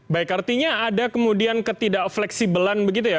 baik artinya ada kemudian ketidak fleksibelan begitu ya